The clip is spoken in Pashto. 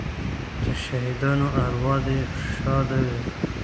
د شهیدانو اروا دې شاده وي.